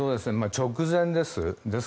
直前です。